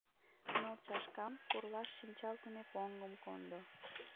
Ныл чашкам, пурлаш шинчалтыме поҥгым кондо...